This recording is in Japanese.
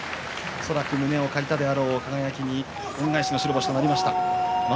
恐らく胸を借りたであろう輝に恩返しの白星となりました。